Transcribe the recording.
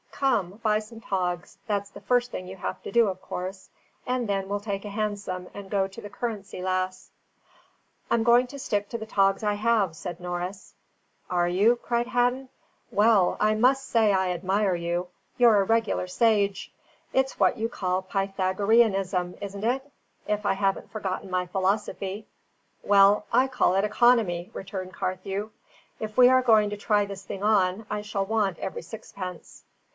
Come, buy some togs, that's the first thing you have to do of course; and then we'll take a hansom and go to the Currency Lass." "I'm going to stick to the togs I have," said Norris. "Are you?" cried Hadden. "Well, I must say I admire you. You're a regular sage. It's what you call Pythagoreanism, isn't it? if I haven't forgotten my philosophy." "Well, I call it economy," returned Carthew. "If we are going to try this thing on, I shall want every sixpence."